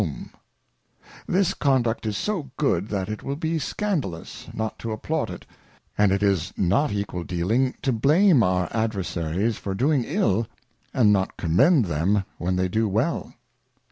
This 138 A Letter to a Dissenter. This Conduct is so good, that it will be scandalous not to applaud it. It is not equal Dealing to blame our Adversaries for doing ill, and not commend them when they do well.